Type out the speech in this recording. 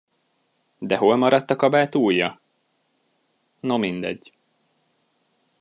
De hol maradt a kabát ujja? No mindegy.